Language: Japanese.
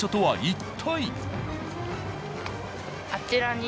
はい。